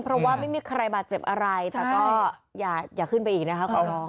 เพราะว่าไม่มีใครบาดเจ็บอะไรแต่ก็อย่าขึ้นไปอีกนะคะขอร้อง